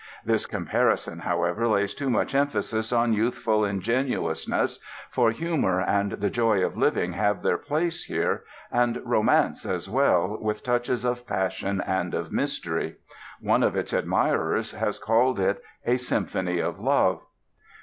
This comparison, however, lays too much emphasis on youthful ingenuousness, for humor and the joy of living have their place here, and romance as well, with touches of passion and of mystery. One of its admirers has called it a "symphony of love."